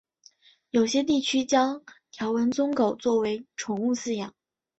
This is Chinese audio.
有些地区将条纹鬣狗作为宠物饲养。